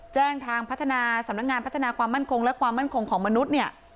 แจ้งทางพัฒนาสำนักงานพัฒนาความมั่นคงและความมั่นคงของมนุษย์เนี่ย